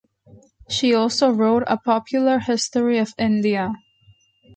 She also wrote a popular history of India.